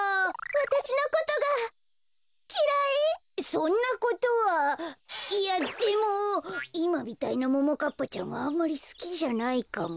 そんなことはいやでもいまみたいなももかっぱちゃんはあんまりすきじゃないかも。